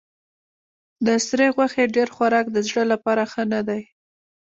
د سرې غوښې ډېر خوراک د زړه لپاره ښه نه دی.